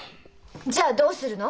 じゃあどうするの？